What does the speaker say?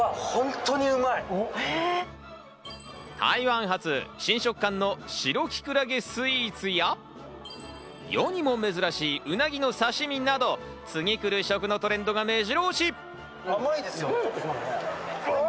台湾発、新食感のシロキクラゲスイーツや、世にも珍しい、うなぎの刺し身など、次にくる、食のトレンドが目白押し。